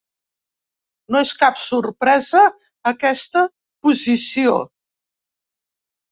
No és cap sorpresa aquesta posició.